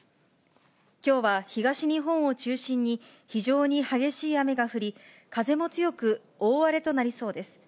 きょうは東日本を中心に非常に激しい雨が降り、風も強く、大荒れとなりそうです。